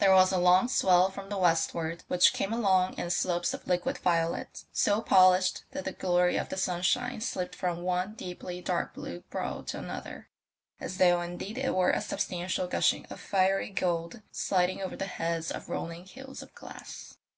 There was a long swell from the westward, which came along in slopes of liquid violet, so* polished that the glory of the sunshine slipped from one deeply dark blue brow to another, as though indeed it were a substantial gushing of fiery gold sliding over the heads of rolling hills of glass.